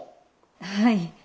はい。